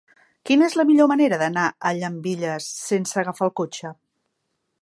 Quina és la millor manera d'anar a Llambilles sense agafar el cotxe?